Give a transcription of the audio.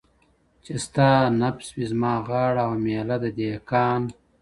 چې ستا نفس وي، زما غاړه او مېله د دهقان